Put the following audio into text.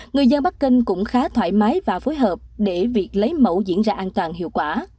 người dân bắc kinh cũng khá thoải mái và phối hợp để việc lấy mẫu diễn ra an toàn hiệu quả